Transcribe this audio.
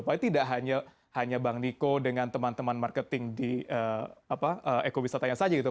tapi tidak hanya bang niko dengan teman teman marketing di ekowisatanya saja gitu